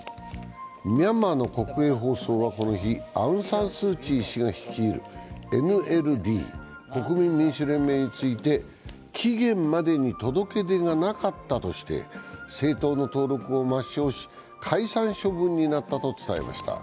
ミャンマーの国営放送がこの日、アウン・サン・スー・チー氏が率いるＮＬＤ＝国民民主連盟について期限までに届け出がなかったとして、政党の登録を抹消し、解散処分になったと伝えました。